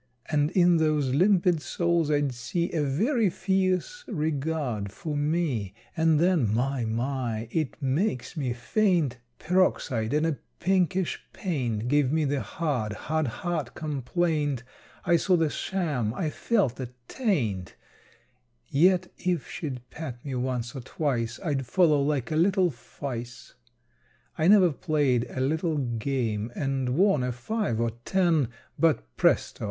And in those limpid souls I'd see A very fierce regard for me. And then my, my, it makes me faint! Peroxide and a pinkish paint Gave me the hard, hard heart complaint, I saw the sham, I felt the taint, Yet if she'd pat me once or twice, I'd follow like a little fyce. I never played a little game And won a five or ten, But, presto!